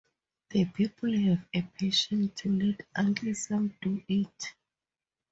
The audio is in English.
The people have a passion to 'let Uncle Sam do it.